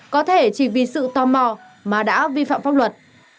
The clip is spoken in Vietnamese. có thể chỉ vì sự tò mò mà đã vi phạm pháp luật